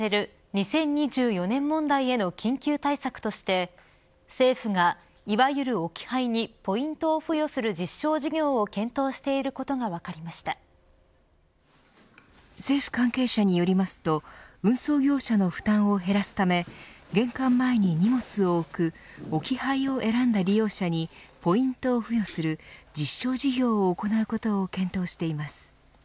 ２０２４年問題への緊急対策として政府がいわゆる置き配にポイントを付与する実証事業を検討していることが政府関係者によりますと運送業者の負担を減らすため玄関前に荷物を置く置き配を選んだ利用者にポイントを付与する実証事業を行うことを検討しています。